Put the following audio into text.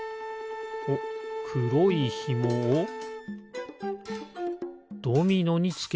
おっくろいひもをドミノにつける。